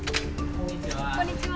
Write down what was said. こんにちは。